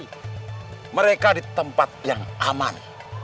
tapi mereka di tempat yang aman